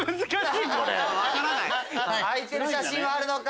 開いてる写真はあるのか？